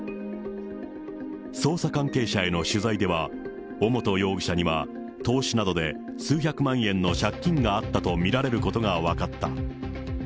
捜査関係者への取材では、尾本容疑者には投資などで数百万円の借金があったと見られることが分かった。